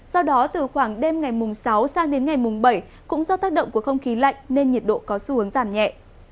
sau đó từ khoảng đêm ngày mùng sáu sang đến ngày mùng bảy cũng do tác động của không khí lạnh nên nhiệt độ có xu hướng giảm nhẹ